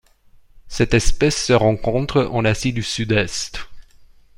Cette espèce se rencontre en Asie du Sud-Est.